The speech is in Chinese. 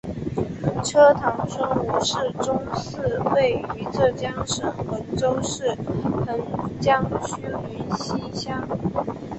车塘村吴氏宗祠位于浙江省衢州市衢江区云溪乡。